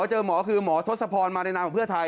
หมอทศพรมาในนามของเพื่อทัย